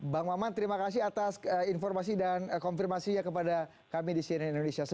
bang maman terima kasih atas informasi dan konfirmasinya kepada kami di cnn indonesia